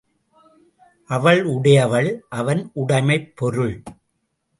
அவள் உடையவள் அவன் உடைமைப் பொருள்.